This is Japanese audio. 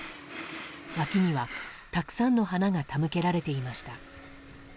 脇には、たくさんの花が手向けられていました。